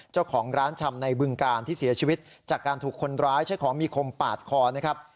เจ้าของร้านชำในบึงการที่เสียชีวิตจากการถูกคนร้ายใช้ของมีคมปาดคอนะครับ